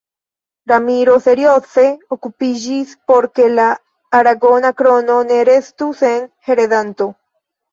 Ramiro serioze okupiĝis por ke la Aragona Krono ne restu sen heredanto.